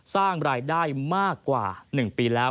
สร้างรายได้มากกว่า๑ปีแล้ว